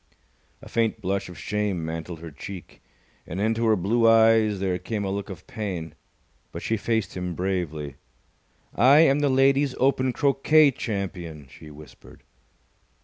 A faint blush of shame mantled her cheek, and into her blue eyes there came a look of pain, but she faced him bravely. "I am the Ladies' Open Croquet Champion!" she whispered.